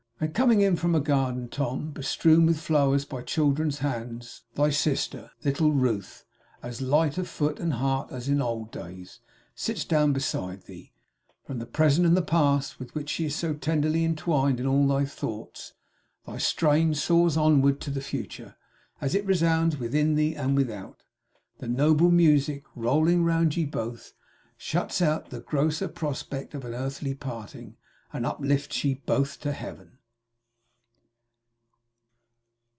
And coming from a garden, Tom, bestrewn with flowers by children's hands, thy sister, little Ruth, as light of foot and heart as in old days, sits down beside thee. From the Present, and the Past, with which she is so tenderly entwined in all thy thoughts, thy strain soars onward to the Future. As it resounds within thee and without, the noble music, rolling round ye both, shuts out the grosser prospect of an earthly parting, and uplifts ye both to Heaven!